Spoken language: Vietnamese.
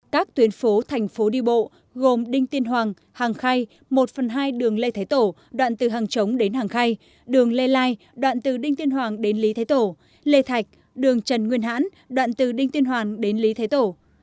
các tuyến phố thành phố đi bộ gồm đinh tiên hoàng hàng khay một phần hai đường lê thế tổ đoạn từ hàng chống đến hàng khay đường lê lai đoạn từ đinh tiên hoàng đến lý thái tổ lê thạch đường trần nguyên hãn đoạn từ đinh tiên hoàng đến lý thái tổ